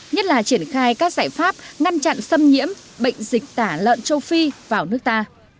nhất là triển khai các giải pháp ngăn chặn xâm nhiễm bệnh dịch tả lợn châu phi vào nước ta